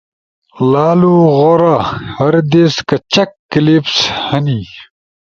لالو غورا! ہر دیس کچاک کلپس ہنی؟